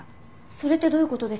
それってどういう事です？